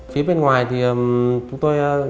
phía bên ngoài thì chúng tôi